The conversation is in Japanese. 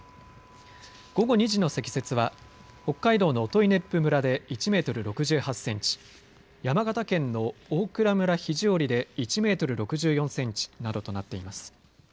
午後２時の積雪は北海道の音威子府村で１メートル６８センチ、山形県の大蔵村肘折で１メートル６４センチなどとなっています。